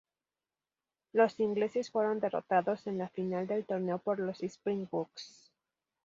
Los ingleses fueron derrotados en la final del torneo por los Springboks.